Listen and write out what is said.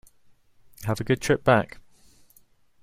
Have a good trip back.